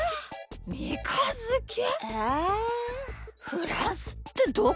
フランスってどこ？